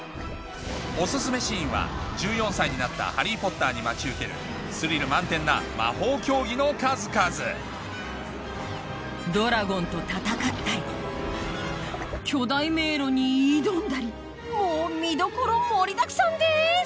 オススメシーンは１４歳になったハリー・ポッターに待ち受けるスリル満点な魔法競技の数々ドラゴンと戦ったり巨大迷路に挑んだりもう見どころ盛りだくさんです！